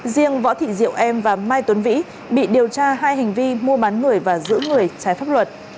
riêng võ thị diệu em và mai tuấn vĩ bị điều tra hai hành vi mua bán người và giữ người trái pháp luật